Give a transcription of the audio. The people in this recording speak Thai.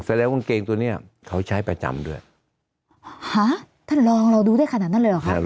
แสดงกางเกงตัวเนี้ยเขาใช้ประจำด้วยฮะท่านลองเราดูได้ขนาดนั้นเลยเหรอคะ